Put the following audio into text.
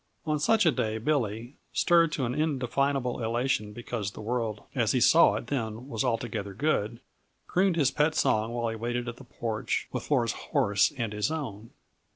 On such a day Billy, stirred to an indefinable elation because the world as he saw it then was altogether good, crooned his pet song while he waited at the porch with Flora's horse and his own.